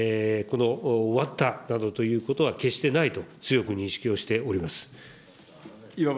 終わったなどということは決してないと、強く認識をしております。